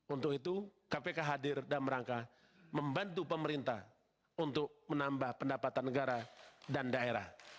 untuk itu kpk hadir dalam rangka membantu pemerintah untuk menambah pendapatan negara dan daerah